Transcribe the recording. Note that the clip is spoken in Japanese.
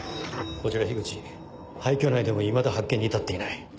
こちら口廃虚内でもいまだ発見に至っていない。